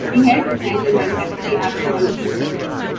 He helped design and manufacture the Apple One keyboard.